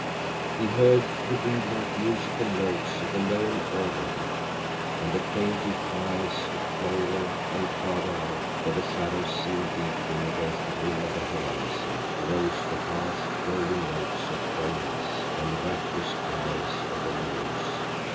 He heard the reed like, musical notes of a lone "organ duck" and the plaintive cries of plover, and farther out, where the shadows seemed deepening against the rim of the horizon, rose the harsh, rolling notes of cranes and the raucous cries of the loons.